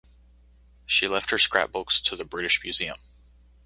She left her scrapbooks to the British Museum.